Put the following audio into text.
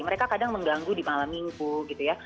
mereka kadang mengganggu di malam minggu gitu ya